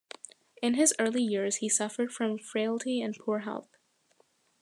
In his early years he suffered from frailty and poor health.